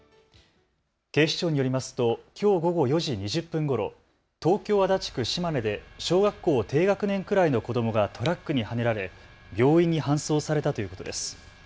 警視庁によりますときょう午後４時２０分ごろ東京足立区島根で小学校低学年くらいの子どもがトラックにはねられ病院に搬送されたということです。